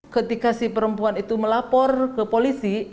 ketika si perempuan itu melapor ke polisi